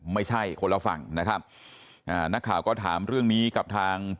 ไม่ใช่คนละฝั่งนะครับอ่านักข่าวก็ถามเรื่องนี้กับทาง